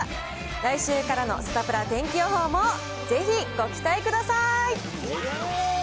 来週からのサタプラ天気予報もぜひご期待ください。